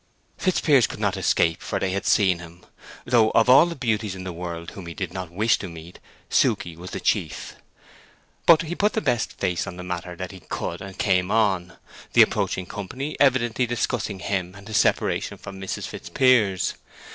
Fitzpiers could not escape, for they had seen him; though of all the beauties of the world whom he did not wish to meet Suke was the chief. But he put the best face on the matter that he could and came on, the approaching company evidently discussing him and his separation from Mrs. Fitzpiers.